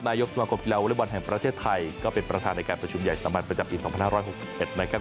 นายกสมัครกรมกีฬาวนวลบอลแห่งประเทศไทยก็เป็นประธานในการประชุมใหญ่สำหรับประจำปีสองพันห้าร้อยหกสิบเอ็ดนะครับ